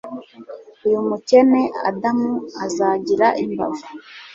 Uyu mukene Adamu azagira imbavu